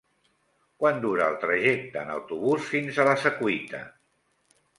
Quant dura el trajecte en autobús fins a la Secuita?